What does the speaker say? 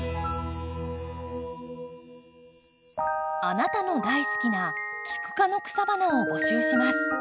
あなたの大好きなキク科の草花を募集します。